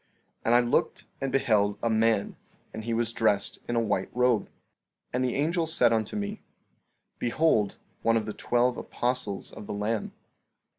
14:19 And I looked and beheld a man, and he was dressed in a white robe. 14:20 And the angel said unto me: Behold one of the twelve apostles of the Lamb.